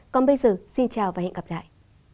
còn bây giờ xin chào và hẹn gặp lại